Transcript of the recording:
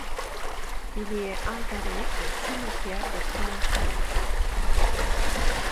Il y est enterré au cimetière de Crown Hill.